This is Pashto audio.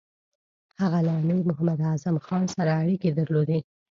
هغه له امیر محمد اعظم خان سره اړیکې درلودې.